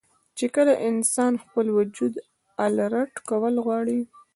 چې کله انسان خپل وجود الرټ کول غواړي